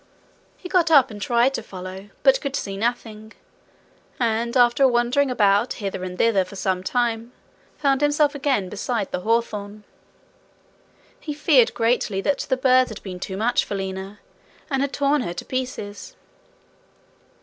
He got up and tried to follow, but could see nothing, and after wandering about hither and thither for some time, found himself again beside the hawthorn. He feared greatly that the birds had been too much for Lina, and had torn her to pieces.